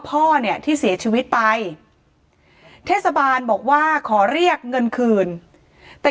พ่อเนี่ยที่เสียชีวิตไปเทศบาลบอกว่าขอเรียกเงินคืนแต่